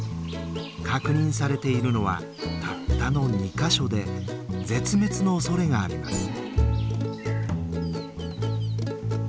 確認されているのはたったの２か所で絶滅のおそれがあります。